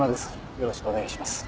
よろしくお願いします。